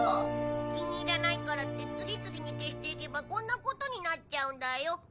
気に入らないからって次々に消していけばこんなことになっちゃうんだよ。